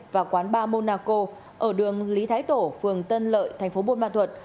và quán ba monaco ở đường lý thái tổ phường tân lợi thành phố buôn ma thuật